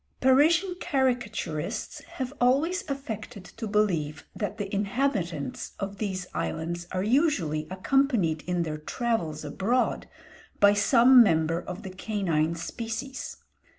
Parisian caricaturists have always affected to believe that the inhabitants of these islands are usually accompanied in their travels abroad by some member of the canine species.